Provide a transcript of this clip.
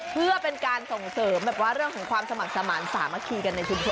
เพื่อเป็นการส่งเสริมแบบว่าเรื่องของความสมัครสมาธิสามัคคีกันในพื้นที่